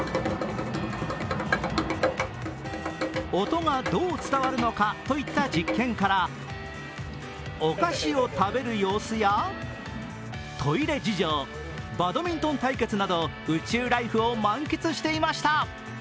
音がどう伝わるのかといった実験からお菓子を食べる様子やトイレ事情バドミントン対決など宇宙ライフを満喫していました。